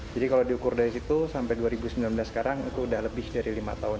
jadi kalau diukur dari situ sampai dua ribu sembilan belas sekarang itu sudah lebih dari lima tahun